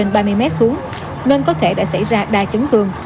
đất đã bị đổ ra và rơi từ độ cao trên ba mươi mét xuống nên có thể đã xảy ra đa chấn thương